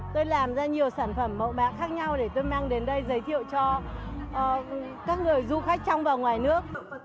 tôi làm ra nhiều sản phẩm mẫu bạc khác nhau để tôi mang đến đây giới thiệu cho các người du khách trong và ngoài nước